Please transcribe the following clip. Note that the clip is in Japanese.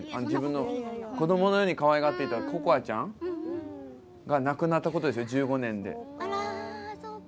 自分の子どものようにかわいがっていたココアちゃんが亡くなったことですね、１５年で。